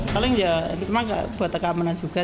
paling ya cuma buat keamanan juga